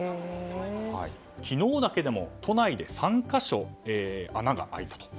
昨日だけでも都内で３か所穴が開いたと。